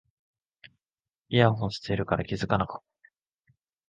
イヤホンしてるから気がつかなかった